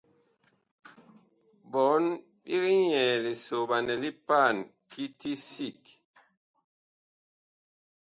Ɓɔɔn big nyɛɛ lisoɓanɛ li paan kiti sig.